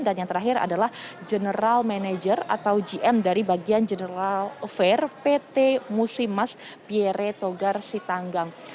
dan yang terakhir adalah general manager atau gm dari bagian general fair pt musimas pierre togar sitanggang